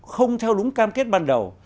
không theo đúng cam kết ban đầu